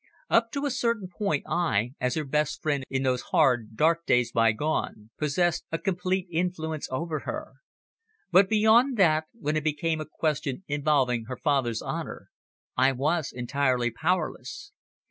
Up to a certain point I, as her best friend in those hard, dark days bygone, possessed a complete influence over her. But beyond that, when it became a question involving her father's honour, I was entirely powerless.